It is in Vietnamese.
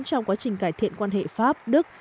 trong quá trình cải thiện quan hệ pháp đức